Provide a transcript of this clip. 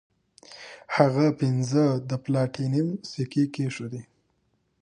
هغه پنځه د پلاټینم سکې کیښودې.